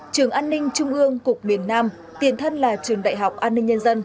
trường an ninh trung ương cục miền nam tiền thân là trường đại học an ninh nhân dân